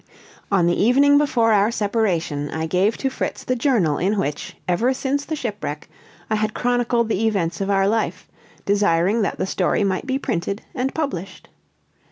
On the evening before our separation, I gave to Fritz the journal in which, ever since the shipwreck, I had chronicled the events of our life, desiring that the story might be printed and published.